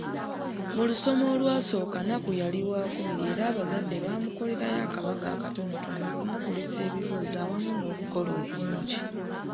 Mu lusoma olwasooka, Nnakku yali wakubiri era abazadde bamukolerayo akabaga akatonotono okumukulisa ebibuuzo awamu n’okukola obulungi.